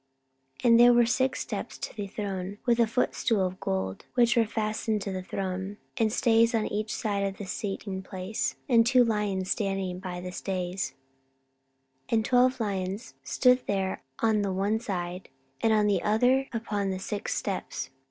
14:009:018 And there were six steps to the throne, with a footstool of gold, which were fastened to the throne, and stays on each side of the sitting place, and two lions standing by the stays: 14:009:019 And twelve lions stood there on the one side and on the other upon the six steps.